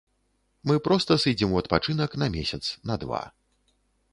Мы проста сыдзем у адпачынак на месяц, на два.